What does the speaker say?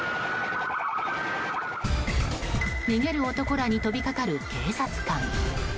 逃げる男らに飛びかかる警察官。